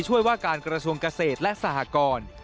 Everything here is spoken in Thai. ว่าการกระทรวงเกษตรและสหกร